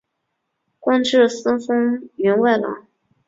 官至司封员外郎。